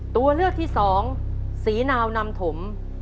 ตัวเลือกที่สองศรีนาวนำถม